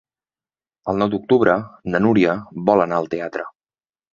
El nou d'octubre na Núria vol anar al teatre.